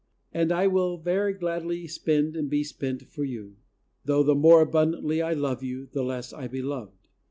. And I will very gladly spend and be spent for you; though the more abundantly I love you, the less I be loved."